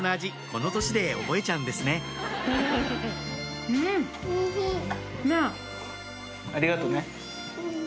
この年で覚えちゃうんですねおいしい。ねぇ！